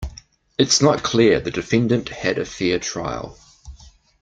It's not clear the defendant had a fair trial.